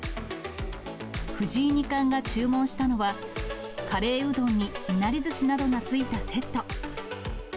藤井二冠が注文したのは、カレーうどんにいなりずしなどが付いたセット。